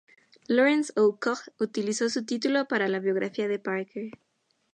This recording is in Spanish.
Lawrence O. Koch utilizó su título para la biografía de Parker.